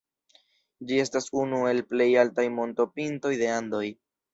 Ĝi estas unu el plej altaj montopintoj de Andoj.